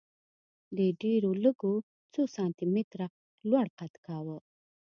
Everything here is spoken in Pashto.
دې ډېرو لږو څو سانتي متره لوړ قد کاوه